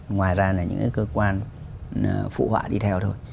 ngoài ra là những cơ quan phụ họa đi theo thôi